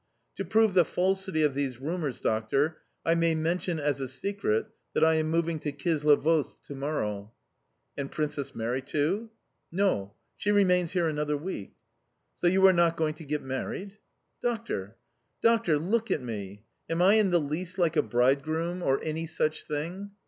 "To prove the falsity of these rumours, doctor, I may mention, as a secret, that I am moving to Kislovodsk to morrow"... "And Princess Mary, too?" "No, she remains here another week"... "So you are not going to get married?"... "Doctor, doctor! Look at me! Am I in the least like a bridegroom, or any such thing?"